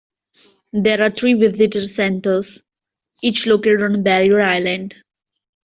There are three visitor centers, each located on a barrier island.